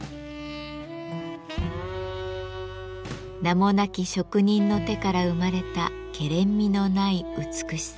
名もなき職人の手から生まれたけれんみのない美しさ。